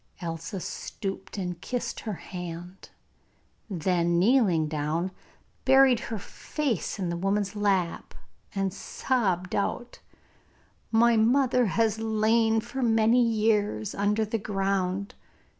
Elsa stooped and kissed her hand, then, kneeling down, buried her face in the woman's lap, and sobbed out: 'My mother has lain for many years under the ground.